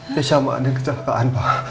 keisha sama andin kejahatan pak